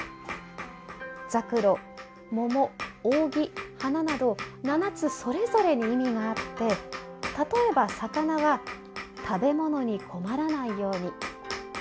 ざくろ桃扇花など７つそれぞれに意味があって例えば魚は食べ物に困らないように。